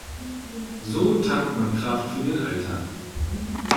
So tankt man Kraft für den Alltag.